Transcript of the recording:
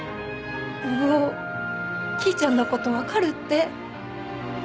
信男きいちゃんのこと分かるって。